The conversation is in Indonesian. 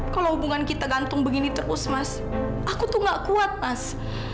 kalau hubungan kita gantung begini terus mas aku tuh gak kuat mas